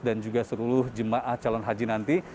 dan juga seluruh jemaah calon haji nanti